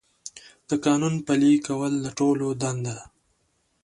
د قانون پلي کول د ټولو دنده ده.